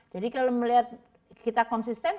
jadi kalau melihat kita konsisten